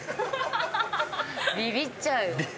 ビビっちゃうよ。